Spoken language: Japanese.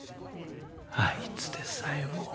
あいつでさえも。